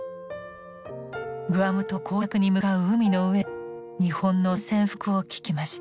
グアム島攻略に向かう海の上で日本の宣戦布告を聞きました。